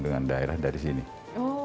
dengan daerah dari sini